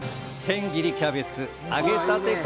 千切りキャベツ揚げたて